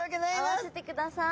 会わせてください。